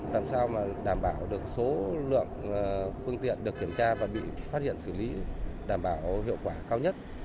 làm sao đảm bảo được số lượng phương tiện được kiểm tra và bị phát hiện xử lý đảm bảo hiệu quả cao nhất